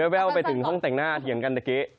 เห็นแว้วไปถึงห้องแต่งนาธิอย่างกันเมื่อกี้